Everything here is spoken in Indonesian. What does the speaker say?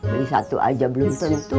beli satu aja belum tentu